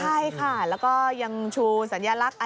ใช่ค่ะแล้วก็ยังชูสัญลักษณ์